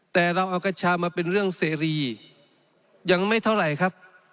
แต่เราเอากัญชามาเป็นเรื่องเสรียังไม่เท่าไหร่ครับ